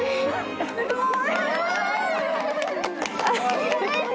すごい！